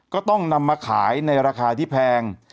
ก็ต้องนำมาขายในราคาที่แพง